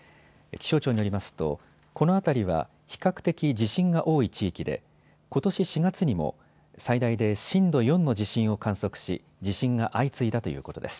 気象庁によりますとこの辺りは比較的地震が多い地域でことし４月にも最大で震度４の地震を観測し地震が相次いだということです。